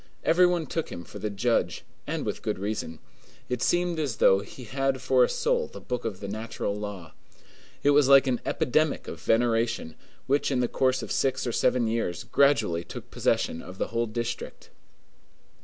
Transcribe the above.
Every one took him for the judge, and with good reason. It seemed as though he had for a soul the book of the natural law. It was like an epidemic of veneration, which in the course of six or seven years gradually took possession of the whole district.